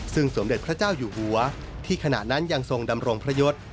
ซึ่งสมเด็จพระเจ้าอยู่หัวที่ขณะนั้นยังทรงดำรงพระยศ